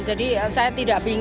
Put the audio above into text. jadi saya tidak bingung